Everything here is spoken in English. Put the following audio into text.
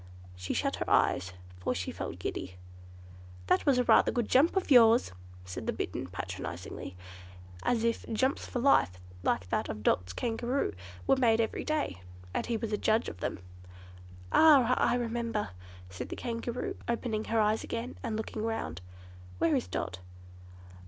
She shut her eyes, for she felt giddy. "That was rather a good jump of yours," said the Bittern, patronizingly, as if jumps for life like that of Dot's Kangaroo were made every day, and he was a judge of them! "Ah, I remember!" said the Kangaroo, opening her eyes again and looking round. "Where is Dot?"